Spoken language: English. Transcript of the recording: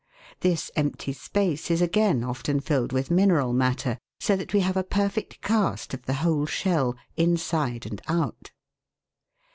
This empty space is again often filled with mineral matter, so that we have a perfect cast of the whole shell inside and out.